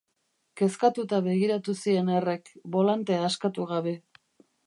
Kezkatuta begiratu zien Errek, bolantea askatu gabe.